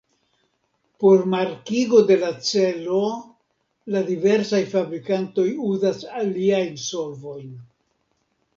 Por markigo de la celo la diversaj fabrikantoj uzas aliajn solvojn.